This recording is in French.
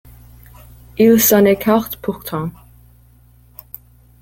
Il s'en écarte pourtant.